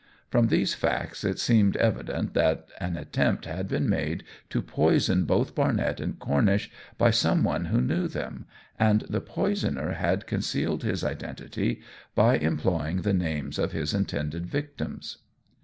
From these facts it seemed evident that an attempt had been made to poison both Barnett and Cornish by some one who knew them, and the poisoner had concealed his identity by employing the names of his intended victims.